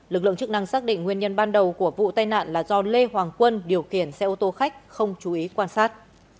lực lượng chức năng xác định nguyên nhân ban đầu của vụ tai nạn là do lê hoàng quân điều khiển xe ô tô khách không chú ý quan sát